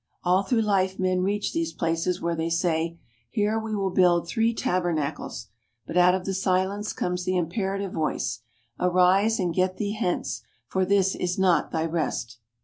All through life men reach these places where they say, "Here will we build three tabernacles"; but out of the silence comes the imperative Voice, "Arise, and get thee hence, for this is not thy rest."